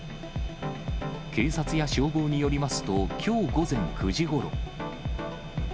警察や消防によりますと、きょう午前９時ごろ。